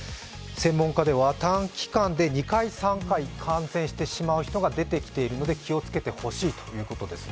専門家では、短期間で２回、３回、感染する人が出てきているので気をつけてほしいということですね。